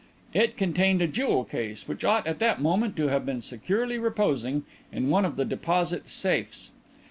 It contained a jewel case which ought at that moment to have been securely reposing in one of the deposit safes.